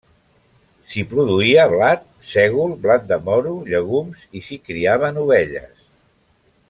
S'hi produïa blat, sègol, blat de moro, llegums, i s'hi criaven ovelles.